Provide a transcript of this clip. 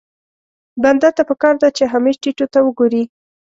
بنده ته پکار ده چې همېش ټيټو ته وګوري.